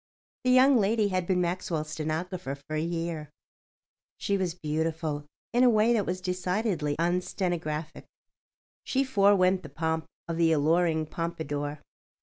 The young lady had been Maxwell's stenographer for a year. She was beautiful in a way that was decidedly unstenographic. She forewent the pomp of the alluring pompadour.